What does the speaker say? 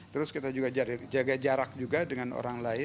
terus kita juga jaga jarak juga dengan orang lain